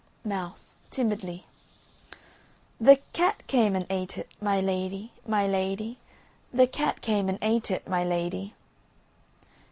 MOUSE (timidly). The cat came and ate it, my lady, my lady, The cat came and ate it, my lady.